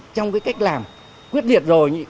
trong cái cách làm quyết liệt rồi